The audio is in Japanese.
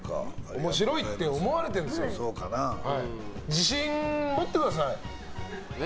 自信を持ってください。